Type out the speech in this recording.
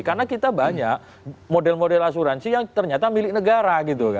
karena kita banyak model model asuransi yang ternyata milik negara